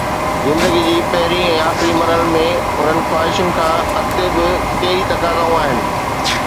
زندگيءَ جي پهرئين ۽ آخري مرحلن ۾، انهن خواهشن کان اڳتي به ڪيئي تقاضائون آهن.